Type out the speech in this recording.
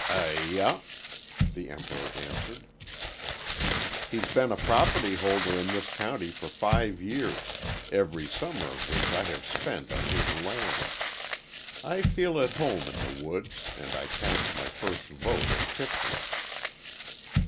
"Ay ah," the Emperor answered. "He's been a property holder in this county for five years, every summer of which I have spent on his land. I feel at home in the woods, and I cast my first vote at Tifton."